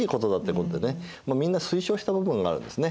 みんな推奨した部分があるんですね。